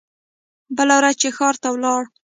بله ورځ چې ښار ته لاړو.